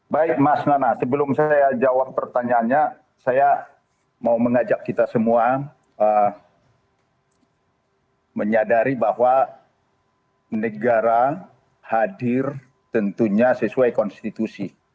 baik mas nana sebelum saya jawab pertanyaannya saya mau mengajak kita semua menyadari bahwa negara hadir tentunya sesuai konstitusi